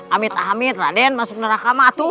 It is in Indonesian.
amin amin raden masuk neraka matu